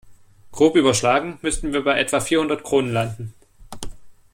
Grob überschlagen müssten wir bei etwa vierhundert Kronen landen.